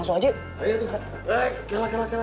ya udah ya langsung aja